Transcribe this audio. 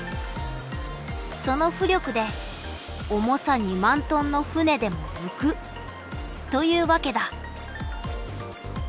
その浮力で重さ２万ｔの船でも浮くというわけだ。